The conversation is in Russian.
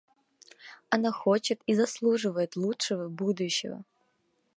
Она хочет и заслуживает лучшего будущего.